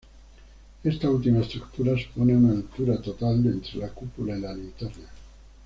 Esta última estructura supone una altura total de entre la cúpula y la linterna.